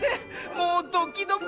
もうドキドキ！